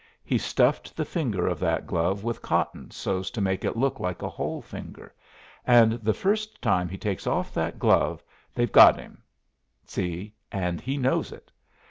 He stuffed the finger of that glove with cotton so's to make it look like a whole finger, and the first time he takes off that glove they've got him see, and he knows it.